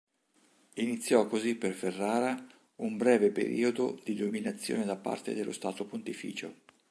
Iniziò così per Ferrara un breve periodo di dominazione da parte dello Stato Pontificio.